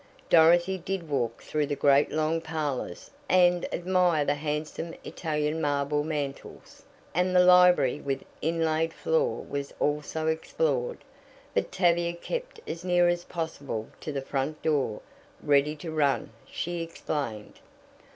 Dorothy did walk through the great long parlors and admire the handsome Italian marble mantels, and the library with inlaid floor was also explored, but Tavia kept as near as possible to the front door ready to run, she explained.